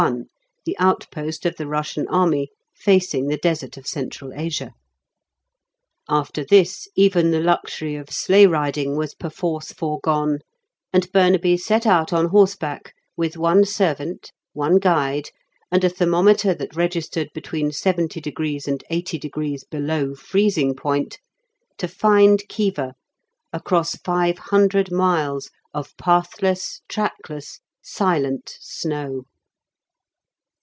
1, the outpost of the Russian army facing the desert of Central Asia. After this even the luxury of sleigh riding was perforce foregone, and Burnaby set out on horseback, with one servant, one guide, and a thermometer that registered between 70 degrees and 80 degrees below freezing point, to find Khiva across five hundred miles of pathless, trackless, silent snow.